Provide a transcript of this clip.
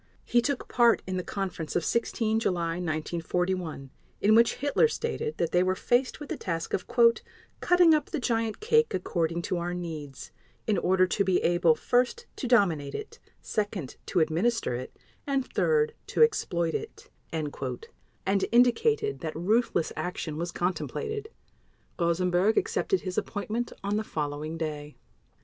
He took part in the conference of 16 July 1941, in which Hitler stated that they were faced with the task of "cutting up the giant cake according to our needs, in order to be able: first, to dominate it; second, to administer it; and third, to exploit it", and indicated that ruthless action was contemplated. Rosenberg accepted his appointment on the following day.